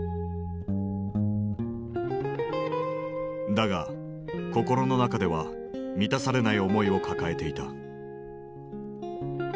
だが心の中では満たされない思いを抱えていた。